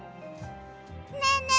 ねえねえ